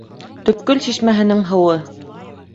Төпкөл шишмәһенең һыуы.